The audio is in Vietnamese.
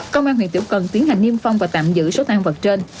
công an huyện tiểu cần tiến hành niêm phong và tạm giữ số tang vật trên